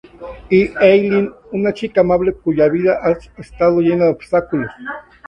Y Eileen, una chica amable cuya vida ha estado llena de obstáculos.